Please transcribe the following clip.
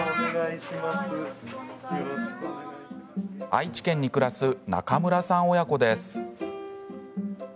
愛知県に暮らす中村さん親子です。